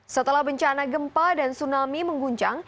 setelah bencana gempa dan tsunami mengguncang